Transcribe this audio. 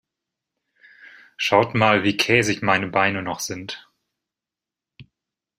Schaut mal, wie käsig meine Beine noch sind.